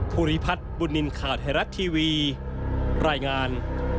พุทธิพัฒน์บุตนินข่าวไทยรัฐทีวีรายงาน